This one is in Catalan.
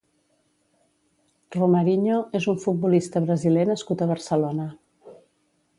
Romarinho és un futbolista brasiler nascut a Barcelona.